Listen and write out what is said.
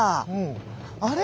あれ？